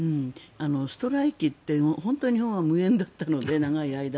ストライキって本当に日本は無縁だったので長い間。